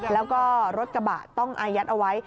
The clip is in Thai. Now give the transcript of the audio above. แล้วก็รถกระบะต้องอายัดเอาไว้